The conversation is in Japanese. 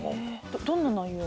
どんな内容の。